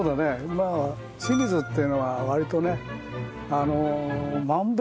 まあ清水っていうのは割とねあの。